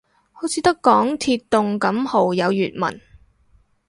好似得港鐵動感號有粵文